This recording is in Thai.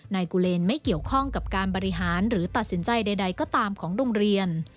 นายกุเลนไม่เกี่ยวข้องกับการบริหารหรือตัดสินใจใดก็ตามของโรงเรียน